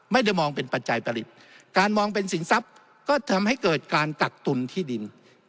ไม่ได้มองเป็นปัจจัยผลิตการมองเป็นสินทรัพย์ก็ทำให้เกิดการกักตุลที่ดิน